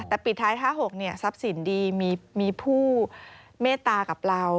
แต่ปิดท้าย๕๖ทรัพย์สินดีมีผู้เมตตากับเรา